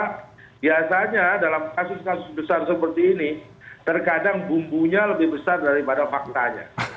karena biasanya dalam kasus kasus besar seperti ini terkadang bumbunya lebih besar daripada faktanya